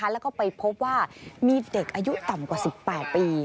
แล้วก็ไปพบว่ามีเด็กอายุต่ำกว่า๑๘ปี